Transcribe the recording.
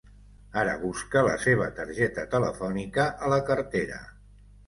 Ara busca la seva targeta telefònica a la cartera.